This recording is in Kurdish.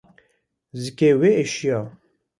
Zikê wê êşiya.